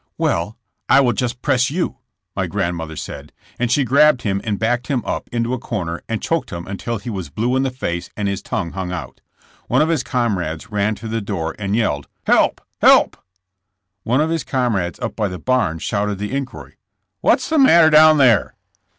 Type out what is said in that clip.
62 JESS^ JAMES. ''Well, I will just press you/' my grandmother said, and she grabbed him and backed him up into a corner and choked him until he was blue in the face and his tongue hung out. One of his comrades ran to the door and yelled: ''Help! help!" One of his comrades up by the barn shouted the inquiry : '''What's the matter down there?"